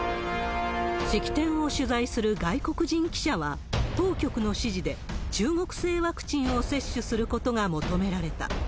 式典を取材する外国人記者は当局の指示で、中国製ワクチンを接種することが求められた。